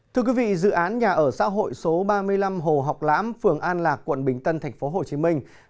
thưa quý vị dự án nhà ở xã hội số ba mươi năm hồ học lãm phường an lạc quận bình tân tp hcm